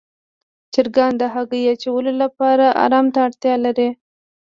چرګان د هګیو اچولو لپاره آرام ته اړتیا لري.